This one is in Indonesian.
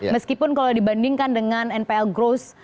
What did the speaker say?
meskipun kalau dibandingkan dengan npl growth